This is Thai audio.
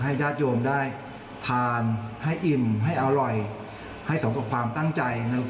ญาติโยมได้ทานให้อิ่มให้อร่อยให้สมกับความตั้งใจนะครับ